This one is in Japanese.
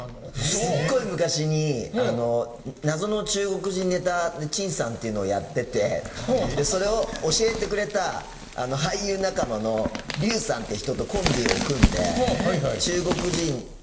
すっごい昔に。っていうのをやっててそれを教えてくれた俳優仲間のリュウさんって人とコンビを組んで。